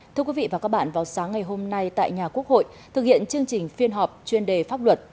thưa quý vị và các bạn vào sáng ngày hôm nay tại nhà quốc hội thực hiện chương trình phiên họp chuyên đề pháp luật